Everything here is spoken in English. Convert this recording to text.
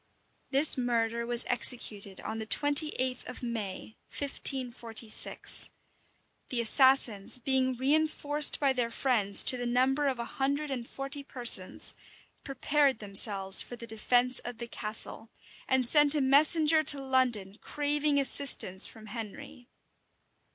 [*] This murder was executed on the twenty eighth of May, 1546. The assassins, being reenforced by their friends to the number of a hundred and forty persons, prepared themselves for the defence of the castle, and sent a messenger to London craving assistance from Henry.